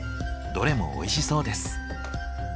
どれもおいしそうです。